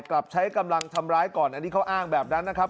กลับใช้กำลังทำร้ายก่อนอันนี้เขาอ้างแบบนั้นนะครับ